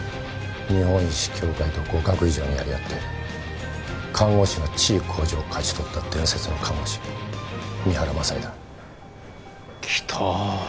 日本医師協会と互角以上にやり合って看護師の地位向上を勝ち取った伝説の看護師三原雅恵だ。来た。